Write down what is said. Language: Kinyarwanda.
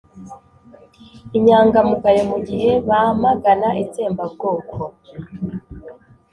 inyangamugayo mu gihe bamagana itsembabwoko